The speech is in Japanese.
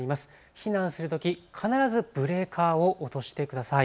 避難するとき必ずブレーカーを落としてください。